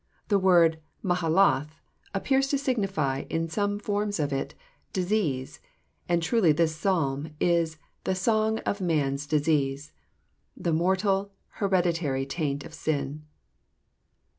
The word •* Mahalath *' appears to signify, m some forms of tt, disease,*' and truly this Psalm is the Song op Man's Disease— ^Ae mortal, hereditary taint of sin.